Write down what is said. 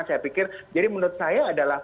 saya pikir jadi menurut saya adalah